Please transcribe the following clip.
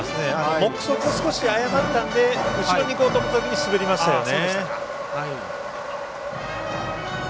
目測を少し誤ったので後ろにいこうと思ったときに滑りましたよね。